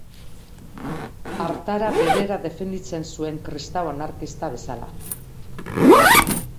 Hartara berera definitzen zuen kristau anarkista bezala.